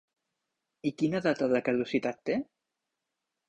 I quina data de caducitat té?